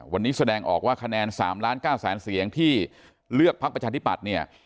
วันนี้แสดงออกว่าคะแนน๓ล้าน๙แสนเสียงที่เลือกพักประชาธิปัตย์เนี่ย